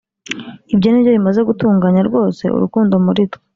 Ibyo ni byo bimaze gutunganya rwose urukundo muri twe,